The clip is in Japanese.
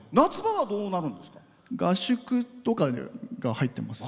合宿とかが入っています。